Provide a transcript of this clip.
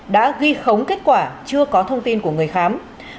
đã ghi khống kết quả chưa có thông tin của người khám